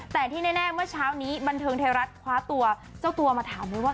แต่ที่แน่เมื่อเช้านี้บันเทิงไทยรัฐคว้าตัวเจ้าตัวมาถามเลยว่า